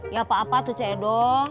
ya apa apa tuh c edo